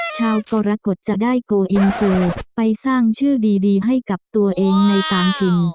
ชาวกรกฎจะได้โกอินเตอร์ไปสร้างชื่อดีให้กับตัวเองในการกิน